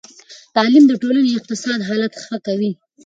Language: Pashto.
تعلیم د ټولنې اقتصادي حالت ښه کوي.